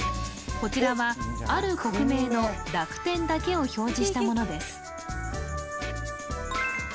こちらはある国名の濁点だけを表示したものです